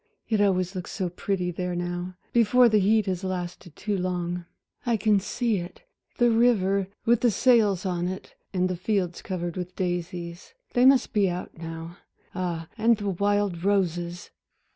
It always looks so pretty there now, before the heat has lasted too long. I can see it the river with the sails on it, and the fields covered with daisies they must be out now ah, and the wild roses!"